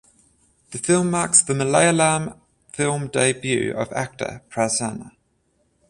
The film marks the Malayalam film debut of actor Prasanna.